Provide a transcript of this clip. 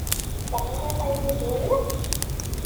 Teɣriḍ ayen i d-uriɣ?